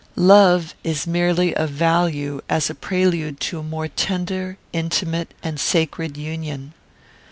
Love is merely of value as a prelude to a more tender, intimate, and sacred union.